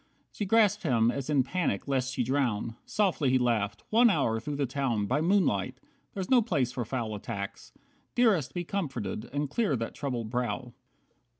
She grasped him as in panic lest she drown. Softly he laughed, "One hour through the town By moonlight! That's no place for foul attacks. Dearest, be comforted, and clear that troubled brow.